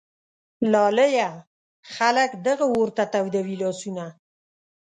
لالیه ! خلک دغه اور ته تودوي لاسونه